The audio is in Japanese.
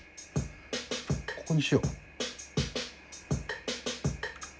ここにしよう。